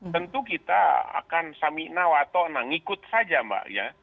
tentu kita akan saminaw atau ngikut saja mbak